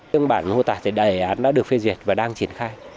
tương bản hòa tạt thì đề án đã được phê duyệt và đang triển khai